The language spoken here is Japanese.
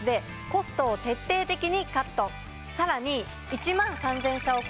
さらに。